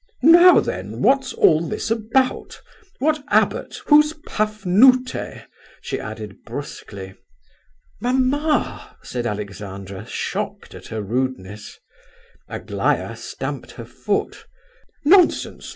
"Now then, what's all this about?—What abbot—Who's Pafnute?" she added, brusquely. "Mamma!" said Alexandra, shocked at her rudeness. Aglaya stamped her foot. "Nonsense!